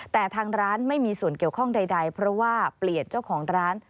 แต่ทางร้านไม่มีส่วนเกี่ยวข้องใดเพราะว่าเปลี่ยนเจ้าของร้าน